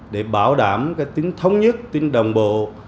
để bảo đảm tính thống nhất tính đồng bộ